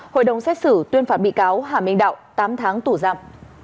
hội đồng xét xử tuyên phạt bị cáo hà minh đạo tám tháng tù giam